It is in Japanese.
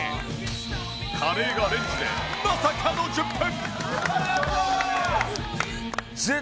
カレーがレンジでまさかの１０分！